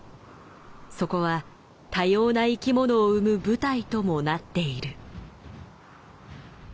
そこは多様な生きものを生む舞台ともなっている。